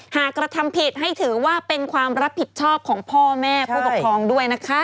กระทำผิดให้ถือว่าเป็นความรับผิดชอบของพ่อแม่ผู้ปกครองด้วยนะคะ